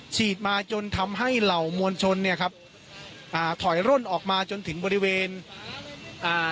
ฉีดมาจนทำให้เหล่ามวลชนเนี่ยครับอ่าถอยร่นออกมาจนถึงบริเวณอ่า